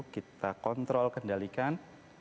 kita kontrol kendalikan